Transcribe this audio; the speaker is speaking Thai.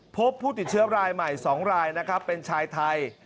พบผู้ติดเชื้อรายใหม่๒รายนะครับเป็นชายไทย